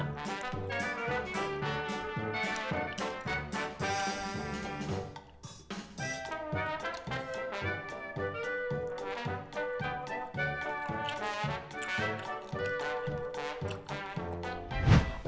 เอ้ย